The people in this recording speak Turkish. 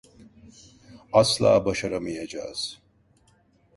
Asla başaramayacağız.